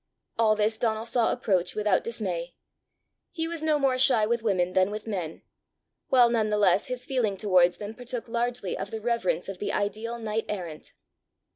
All this Donal saw approach without dismay. He was no more shy with women than with men; while none the less his feeling towards them partook largely of the reverence of the ideal knight errant.